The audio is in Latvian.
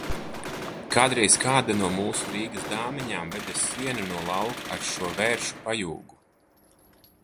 Kādreiz kāda no mūsu Rīgas dāmiņām veda sienu no lauka ar šo vēršu pajūgu.